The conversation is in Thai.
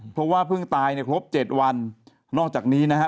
เพราะว่าเพิ่งตายเนี่ยครบเจ็ดวันนอกจากนี้นะฮะ